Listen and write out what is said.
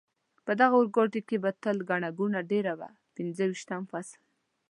په دغه اورګاډي کې به تل ګڼه ګوڼه ډېره وه، پنځه ویشتم فصل.